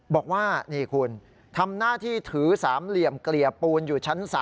บอกว่านี่คุณทำหน้าที่ถือสามเหลี่ยมเกลี่ยปูนอยู่ชั้น๓